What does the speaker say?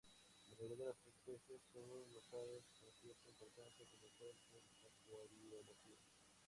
La mayoría de las especies son usadas con cierta importancia comercial en acuariología.